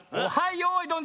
よいどん」